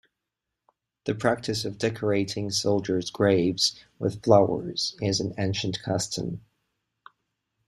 The practice of decorating soldiers' graves with flowers is an ancient custom.